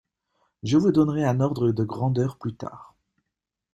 je vous donnerai un ordre de grandeur plus tard